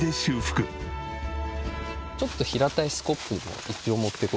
ちょっと平たいスコップも一応持っていこうかな。